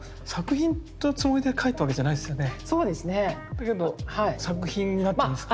だけど作品になってるんですか？